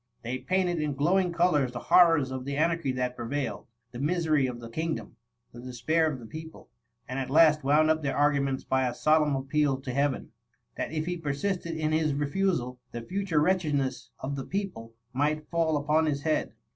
They painted in glowing colours the horrors of the anarchy that prevailed, the misery of the kingdom, the despair of the people, and at last wound up their arguments by a solemn appeal to Heaven, that if he persisted in his refusal, the future wretchedness of the people might fall upon his head.